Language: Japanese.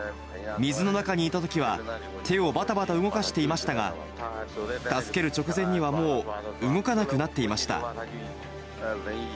水の中にいたときは、手をばたばた動かしていましたが、助ける直前にはもう動かなくなっていました。